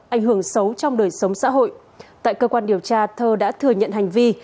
ảnh hưởng xấu trong đời sống xã hội tại cơ quan điều tra thơ đã thừa nhận hành vi